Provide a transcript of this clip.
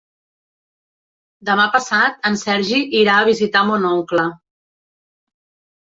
Demà passat en Sergi irà a visitar mon oncle.